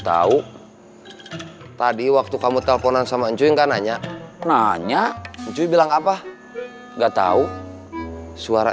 tahu tadi waktu kamu teleponan sama ncuy enggak nanya nanya ncuy bilang apa enggak tahu suara